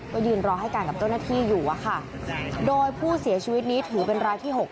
ก็ยืนรอให้การกับเจ้าหน้าที่อยู่อะค่ะโดยผู้เสียชีวิตนี้ถือเป็นรายที่๖